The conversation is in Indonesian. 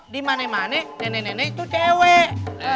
dimana mana nenek nenek itu cewek